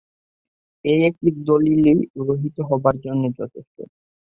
এই একটি দলীলই রহিত হবার জন্যে যথেষ্ট।